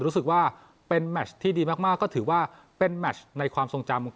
รู้สึกว่าเป็นแมชที่ดีมากก็ถือว่าเป็นแมชในความทรงจำของ